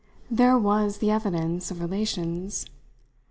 There was the evidence of relations.